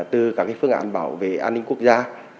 từ các phương án bảo vệ an ninh quốc gia